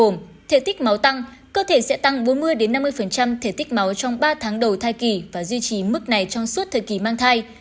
thể tích máu tăng cơ thể sẽ tăng bốn mươi năm mươi thể tích máu trong ba tháng đầu thai kỳ và duy trì mức này trong suốt thời kỳ mang thai